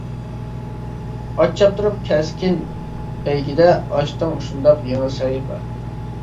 ئات چاپتۇرۇپ كەسكىن بەيگىدە، ئاچتىڭ شۇنداق يېڭى سەھىپە.